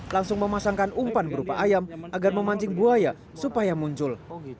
langsung memasangkan umpan berupa ayam agar memancing buaya supaya muncul